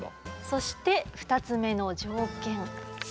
そして２つ目の条件。